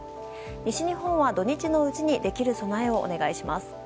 西日本は土日のうちにできる備えをお願いします。